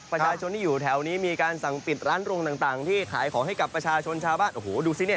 ประชาชนที่อยู่แถวนี้มีการสั่งปิดร้านรวงต่างที่ขายของให้กับประชาชนชาวบ้านโอ้โหดูซิเนี่ย